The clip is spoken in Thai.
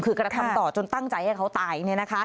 คือกระทำต่อจนตั้งใจให้เขาตาย